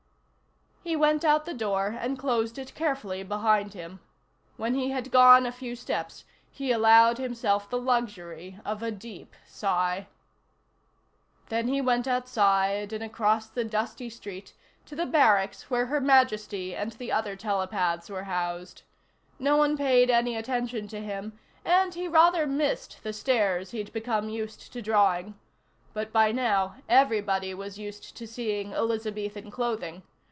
He went out the door and closed it carefully behind him. When he had gone a few steps he allowed himself the luxury of a deep sigh. Then he went outside and across the dusty street to the barracks where Her Majesty and the other telepaths were housed. No one paid any attention to him, and he rather missed the stares he'd become used to drawing. But by now, everybody was used to seeing Elizabethan clothing.